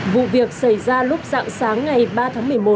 vụ việc xảy ra lúc dạng sáng ngày ba tháng một mươi một